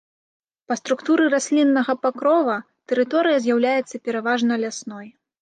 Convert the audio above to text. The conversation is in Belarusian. Па структуры расліннага покрыва тэрыторыя з'яўляецца пераважна лясной.